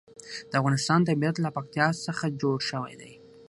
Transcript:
د افغانستان طبیعت له پکتیا څخه جوړ شوی دی.